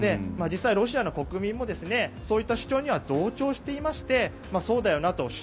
実際、ロシアの国民もそういった主張には同調していましてそうだよなと。